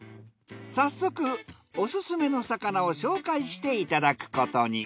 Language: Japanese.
早速オススメの魚を紹介していただくことに。